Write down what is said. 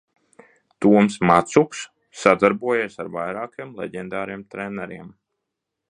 Toms Macuks sadarbojies ar vairākiem leģendāriem treneriem.